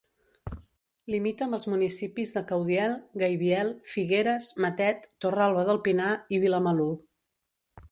Limita amb els municipis de Caudiel, Gaibiel, Figueres, Matet, Torralba del Pinar i Vilamalur.